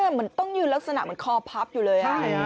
เหมือนต้องยืนลักษณะเหมือนคอพับอยู่เลย